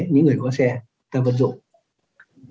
những người có xe tài vận dụng